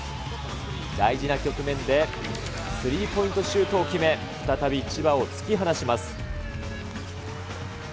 大事な局面でスリーポイントシュートを決め、再び千葉を突き放します。